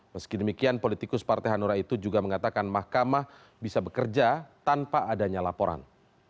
meski demikian politikus partai hanura itu juga mengatakan mahkamah bisa bekerja tanpa adanya laporan